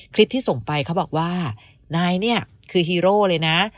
คลิปที่ส่งไปเขาบอกว่านายเนี่ยคือฮีโร่เลยนะ